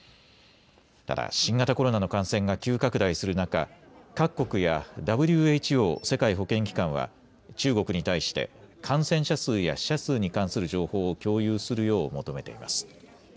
ただ新型コロナの感染が急拡大する中、各国やＷＨＯ・世界保健機関は中国に対して感染者数や死者数に関する情報を共有するよう求めています。